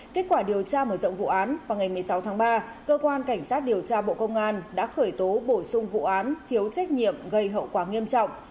kết quả điều tra mở rộng vụ án vào ngày một mươi sáu tháng ba cơ quan cảnh sát điều tra bộ công an đã khởi tố bổ sung vụ án thiếu trách nhiệm gây hậu quả nghiêm trọng